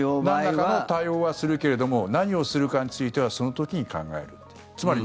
なんらかの対応はするけれども何をするかについてはその時に考えるという。